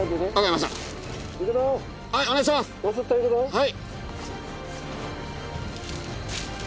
はい。